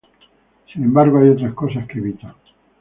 Sin embargo, hay otras cosas que evitan.